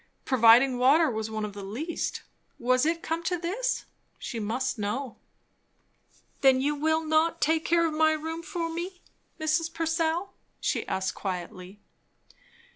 Providing water was one of the least. Was it come to this? She must know. "Then you will not take care of my room for me, Mrs. Purcell?" she asked quietly.